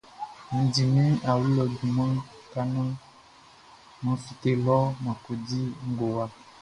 N di min awlo lɔ junmanʼn ka naan mʼan fite lɔ mʼan ko di ngowa.